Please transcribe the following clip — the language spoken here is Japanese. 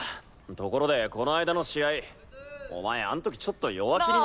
ところでこの間の試合お前あんときちょっと弱気に。